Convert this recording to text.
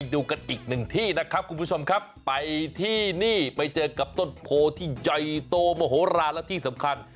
ดูกันอีกหนึ่งที่นะครับคุณผู้ชมครับไปที่นี่ไปเจอกับต้นโพที่ใหญ่โตโมโหลานและที่สำคัญ